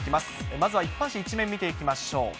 まずは一般紙１面、見ていきましょう。